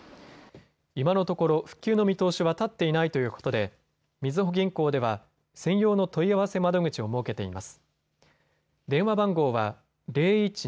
今のところ復旧の見通しは立っていないということでみずほ銀行では専用の問い合わせ窓口を設けています。